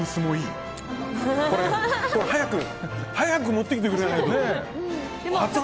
早く持ってきてくれないとね。